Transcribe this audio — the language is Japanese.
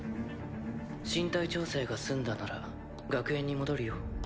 身体調整が済んだなら学園に戻るよ。